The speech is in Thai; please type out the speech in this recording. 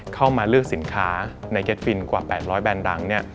เข้ามาเลือกสินค้าในเก็ตฟินกว่า๘๐๐แบรนดดัง